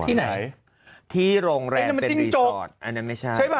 ที่ไหนที่โรงแรมเป็นรีสอร์ทอันนั้นไม่ใช่